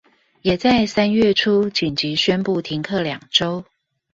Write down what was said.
也在三月初緊急宣布停課兩週